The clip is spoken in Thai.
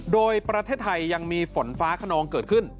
โดยประเทศไทยยังมีฝนฟ้าขนองเกิดขึ้น